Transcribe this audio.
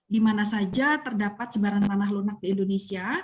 di mana saja terdapat sebaran tanah lunak di indonesia